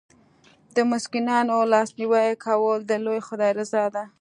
د مسکینانو لاسنیوی کول د لوی خدای رضا ده.